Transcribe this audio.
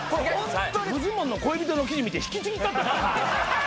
フジモンの恋人の記事見て引きちぎったった。